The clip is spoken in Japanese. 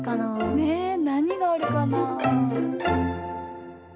ねえなにがあるかな？